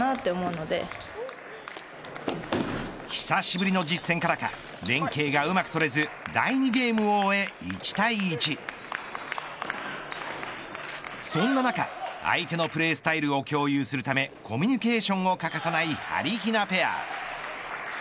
久しぶりの実戦からか連係がうまくとれず第２ゲームを終え１対１．そんな中、相手のプレースタイルを共有するためコミュニケーションを欠かさないはりひなペア。